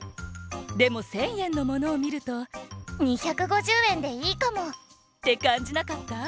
でも１０００えんのものをみると「２５０えんでいいかも」ってかんじなかった？